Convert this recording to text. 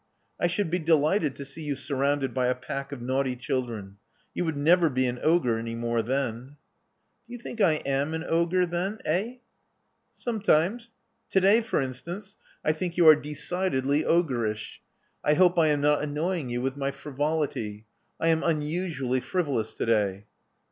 I should be delighted to see 3''ou surrounded by a pack of naughty children. You would never be an ogre any more then." Do you think I am an ogre, then? Eh?" Sometimes. To day, for instance, I think you are Love Among the Artists 261 decidedly ogreish. I hope I am not anoying you with my frivolity. I am unusually frivolous to day."